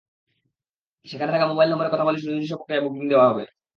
সেখানে থাকা মোবাইল নম্বরে কথা বলেই সুনির্দিষ্ট প্রক্রিয়ায় বুকিং দেওয়া যাবে।